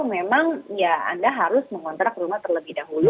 memang ya anda harus mengontrak rumah terlebih dahulu